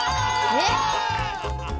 えっ！？